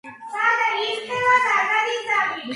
მხედართმთავარი, პერიკლეს გაზრდილი, სოკრატეს მოწაფე.